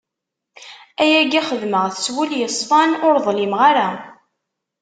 Ayagi xedmeɣ-t s wul yeṣfan, ur ḍlimeɣ ara!